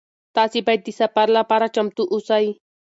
تاسي باید د سفر لپاره چمتو اوسئ.